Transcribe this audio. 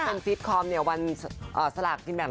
เป็นฟิศกรอบสหกินแบลังค์รัฐธรรพาณ